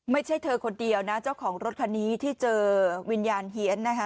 ไม่ใช่เธอคนเดียวนะเจ้าของรถคันนี้ที่เจอวิญญาณเฮียนนะคะ